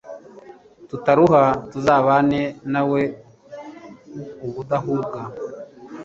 tutaruha, tuzabane nawe ubudahuga